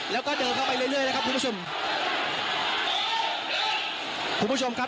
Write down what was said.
แล้วก็เดินเข้าไปเรื่อยเรื่อยนะครับคุณผู้ชมครับ